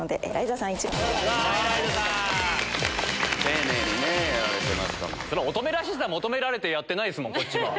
乙女らしさ求められてやってないですもんこっちは。